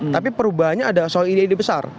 tapi perubahannya ada soal ide ide besar